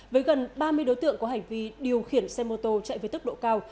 với gần ba mươi đối tượng có hành vi điều khiển xe mô tô chạy với tốc độ cao